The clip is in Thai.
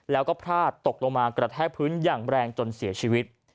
แล้วก็พลาดตกลงมากระแทกพื้นอย่างแรงจนเสียชีวิต